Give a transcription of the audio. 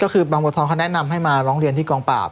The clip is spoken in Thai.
ก็คือบางบัวทองเขาแนะนำให้มาร้องเรียนที่กองปราบ